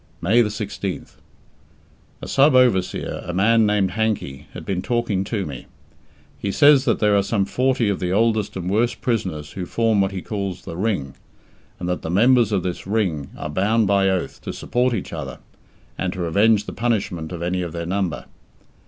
May 16th. A sub overseer, a man named Hankey, has been talking to me. He says that there are some forty of the oldest and worst prisoners who form what he calls the "Ring", and that the members of this "Ring" are bound by oath to support each other, and to avenge the punishment of any of their number.